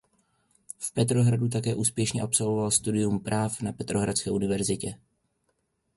V Petrohradu také úspěšně absolvoval studium práv na Petrohradské univerzitě.